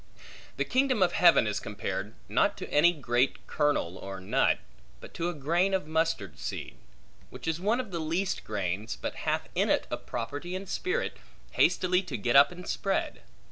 The kingdom of heaven is compared, not to any great kernel or nut, but to a grain of mustard seed: which is one of the least grains, but hath in it a property and spirit hastily to get up and spread.